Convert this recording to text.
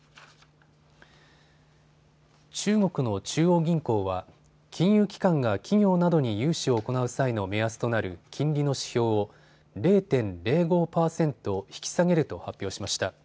中国の中央銀行は金融機関が企業などに融資を行う際の目安となる金利の指標を０．０５％引き下げると発表しました。